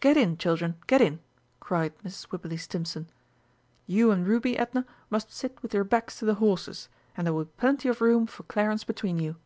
"Get in, children, get in!" cried Mrs. Wibberley Stimpson. "You and Ruby, Edna, must sit with your backs to the horses, and there will be plenty of room for Clarence between you."